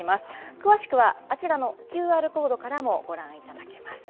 詳しくはあちらのＱＲコードからもご覧いただけます。